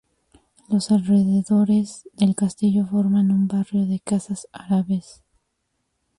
Los alrededores del Castillo forman un Barrio de casas Árabes.